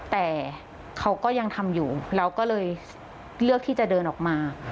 แต่เขาก็ยังทำอยู่เราก็เลยเลือกที่จะเดินออกมา